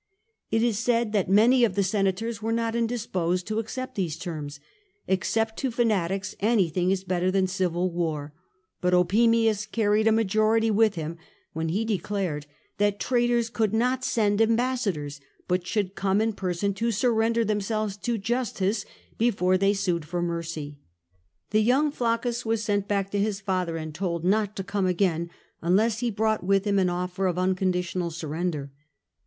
It is said that many of the senators were not indisposed to accept these terms : except to fanatics, any thing is better than civil war. But Opimius carried a majority with him when he declared that traitors could not send ambassadors, but should come in person to surrender themselves to justice before they sued for mercy. The young Flaccus was sent back to his father, and told not to come again, unless he brought with him an offer of unconditional surrender.